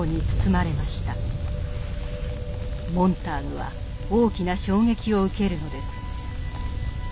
モンターグは大きな衝撃を受けるのです。